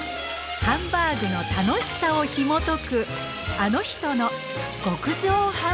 ハンバーグの楽しさをひもとく